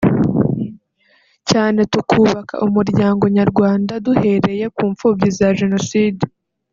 cyane tukubaka umuryango nyarwanda duhereye ku mpfubyi za Jenoside